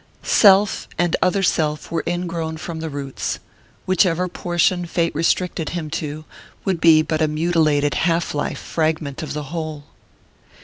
Self and other self were ingrown from the roots whichever portion fate restricted him to would be but a mutilated half live fragment of the whole.